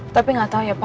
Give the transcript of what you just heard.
tapi gak tau ya pak